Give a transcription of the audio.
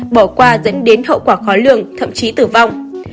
bỏ qua dẫn đến hậu quả khó lường thậm chí tử vong